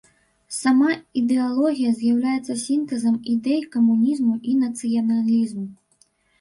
Сама ідэалогія з'яўляецца сінтэзам ідэй камунізму і нацыяналізму.